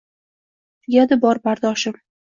Tugadi bor bardoshim.